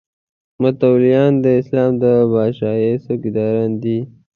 متولیان د اسلام د پاچاهۍ څوکیداران دي.